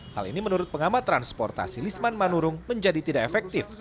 hal ini menurut pengamat transportasi lisman manurung menjadi tidak efektif